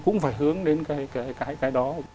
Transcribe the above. cũng phải hướng đến cái đó